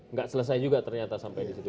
nggak selesai juga ternyata sampai di situ